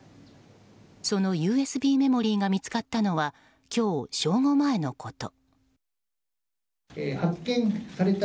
そのＵＳＢメモリーが見つかったのは今日正午前のこと。